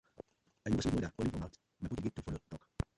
I no go sweet mother only for mouth, my pocket get to follo tok.